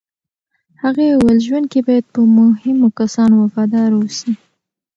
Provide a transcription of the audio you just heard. هغې وویل، ژوند کې باید په مهمو کسانو وفادار اوسې.